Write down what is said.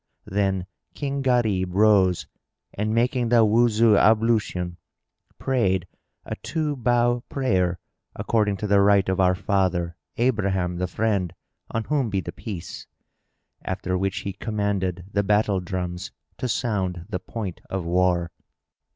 Then King Gharib rose and making the Wuzu ablution, prayed a two bow prayer according to the rite of our father Abraham the Friend (on whom be the Peace!); after which he commanded the battle drums to sound the point of war.